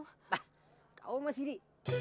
hah kau mau sini